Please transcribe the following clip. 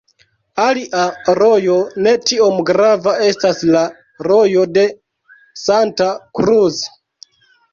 Alia rojo ne tiom grava estas la Rojo de Santa Cruz.